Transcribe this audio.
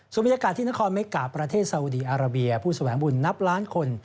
ส่วนบรรยากาศที่นครเมกาประเทศสาวุดีอาราเบียผู้แสวงบุญนับล้านคน